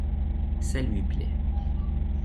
Ça lui plait.